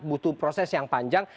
butuh proses yang panjang